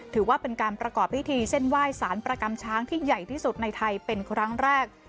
ถือว่าเป็นการประกอบพิธีเส้นไหว้สารประกำช้างที่ใหญ่ที่สุดในไทยเป็นครั้งแรก